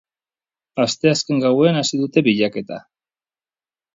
Asteazken gauean hasi dute bilaketa.